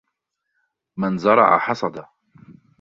من زرع حصد